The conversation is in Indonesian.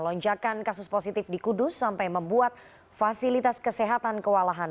lonjakan kasus positif di kudus sampai membuat fasilitas kesehatan kewalahan